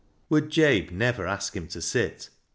Would Jabe never ask him to sit?